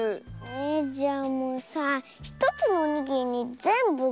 えじゃあもうさ１つのおにぎりにぜんぶ